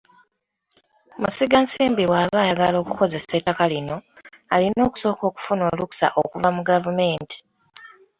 Musigansimbi bw'aba ayagala okukozesa ettaka lino, alina okusooka okufuna olukkusa okuva mu gavumenti.